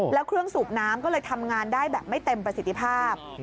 แล้วเครื่องสูบน้ำก็เลยทำงานได้แบบไม่เต็มประสิทธิภาพ